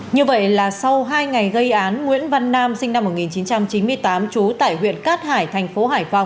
như vậy là sau hai ngày gây án nguyễn văn nam sinh năm một nghìn chín trăm chín mươi tám trú tại huyện cát hải tp hcm